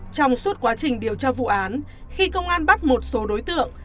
trong suốt quá trình điều tra vụ án khi công an bắt một số đối tượng